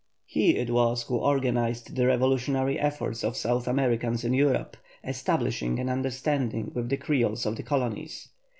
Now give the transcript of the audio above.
He it was who organised the revolutionary efforts of South Americans in Europe; establishing an understanding with the Creoles of the colonies.